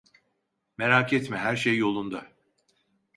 Merak etme, her şey yolunda.